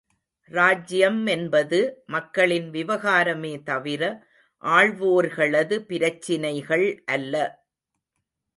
ராஜ்யம் என்பது, மக்களின் விவகாரமே தவிர, ஆள்வோர்களது பிரச்சினைகள் அல்ல!